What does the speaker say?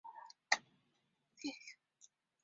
粤语粗口看似有音无字。